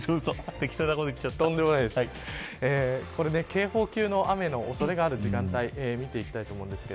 警報級の雨の恐れがある時間帯見ていきたいと思います。